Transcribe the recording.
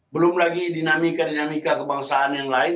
belum lagi dinamika dinamika kebangsaan yang lain